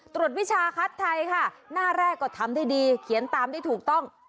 วิชาคัดไทยค่ะหน้าแรกก็ทำได้ดีเขียนตามได้ถูกต้อง